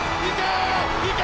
いけ！